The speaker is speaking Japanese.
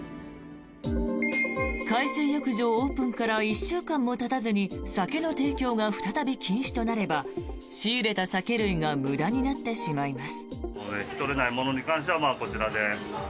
海水浴場オープンから１週間もたたずに酒の提供が再び禁止となれば仕入れた酒類が無駄になってしまいます。